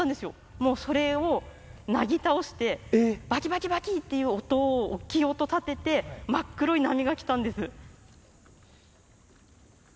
もうそれをなぎ倒して、ばきばきばきっていう音、おっきい音を立てて、真っ黒い波が来たんです。